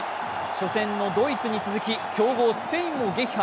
初戦のドイツに続き強豪・スペインも撃破。